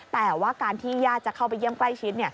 แต่ว่าการที่ญาติจะเข้าไปเยี่ยมใกล้ชิด